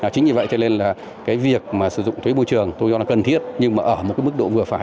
chính vì vậy cho nên là cái việc mà sử dụng thuế bôi trường tôi cho là cần thiết nhưng mà ở một cái mức độ vừa phải